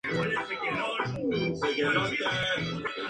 Su cabecera es la ciudad de Acapulco.